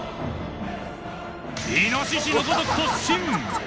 イノシシのごとく突進！